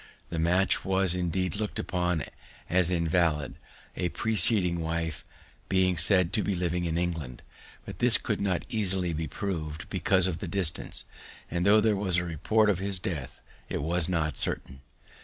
The match was indeed looked upon as invalid, a preceding wife being said to be living in England; but this could not easily be prov'd, because of the distance; and, tho' there was a report of his death, it was not certain.